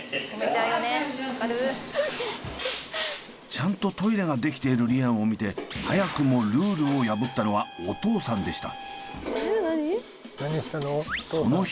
ちゃんとトイレができているリアンを見て早くもルールを破ったのはお父さんでした。